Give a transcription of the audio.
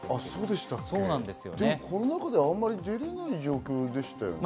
コロナ禍であまり出られない状況でしたよね。